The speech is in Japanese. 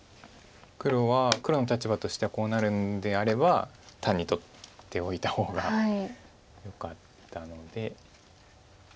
黒は黒の立場としてはこうなるんであれば単に取っておいた方がよかったので。